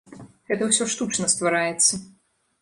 Гэта ўсё штучна ствараецца.